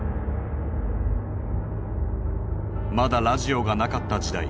まだラジオがなかった時代。